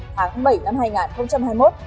tháng bảy năm hai nghìn hai mươi một